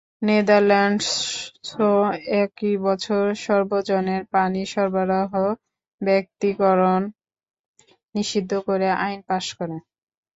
নেদারল্যান্ডসও একই বছর সর্বজনের পানি সরবরাহ ব্যক্তীকরণ নিষিদ্ধ করে আইন পাস করে।